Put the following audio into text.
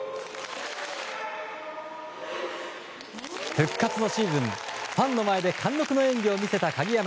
復活のシーズン、ファンの前で貫禄の演技を見せた鍵山。